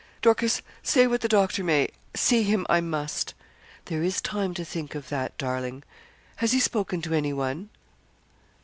'Dorcas, say what the doctor may, see him I must.' 'There is time to think of that, darling.' 'Has he spoken to anyone?'